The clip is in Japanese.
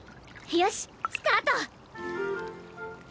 よしスタート！